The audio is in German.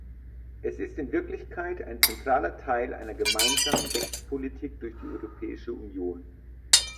Es ist in Wirklichkeit ein zentraler Teil einer gemeinsamen Rechtspolitik durch die Europäische Union.